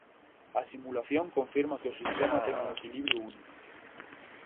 A simulación confirma que o sistema ten un equilibrio único.